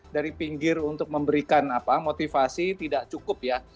dari pinggir untuk memberikan motivasi tidak cukup ya